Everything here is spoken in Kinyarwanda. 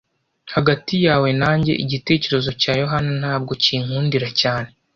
Hagati yawe nanjye, igitekerezo cya Yohana ntabwo kinkundira cyane.